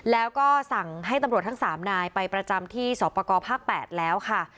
แล้วก็สั่งให้ตำรวจทั้ง๓นายไปประจำที่สอบประกอบภาค๘แล้วค่ะ